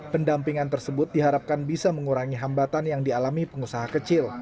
pendampingan tersebut diharapkan bisa mengurangi hambatan yang dialami pengusaha kecil